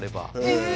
へえ。